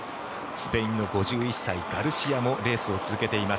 スペインの５１歳、ガルシアもレースを続けています。